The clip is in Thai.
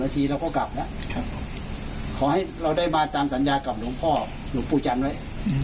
ทีเราก็กลับแล้วขอให้เราได้บ้านตามสัญญากับหลวงพ่อหลวงปู่จันทร์ไว้